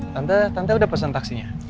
tante tante udah pesen taksinya